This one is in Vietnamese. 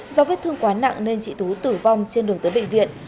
do vết thương quá nặng nên chị tú tử vong trên đường tới bệnh viện